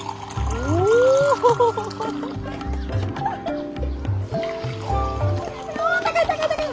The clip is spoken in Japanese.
おお高い高い高い！